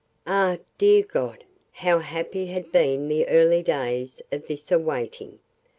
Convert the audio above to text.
Ah, dear God! How happy had been the early days of this awaiting!